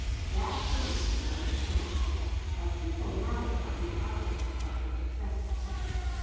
That too she could understand a simple matter of the arrogance of the successful.